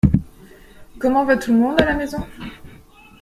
Comment va tout le monde à la maison ?